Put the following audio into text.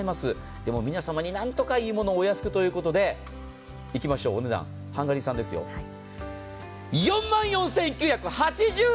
でも皆様になんとかいいものをお安くということで、いきましょうお値段、ハンガリー産ですよ、４万４９８０円！